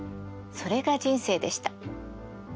それが人生でした。